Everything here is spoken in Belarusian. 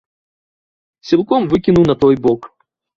Сілком выкіну на той бок.